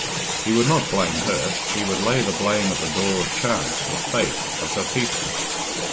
He would not blame her he would lay the blame at the door of chance, of fate, of her people.